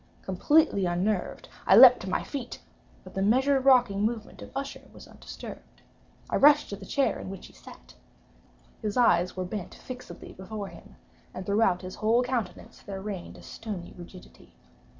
Completely unnerved, I leaped to my feet; but the measured rocking movement of Usher was undisturbed. I rushed to the chair in which he sat. His eyes were bent fixedly before him, and throughout his whole countenance there reigned a stony rigidity.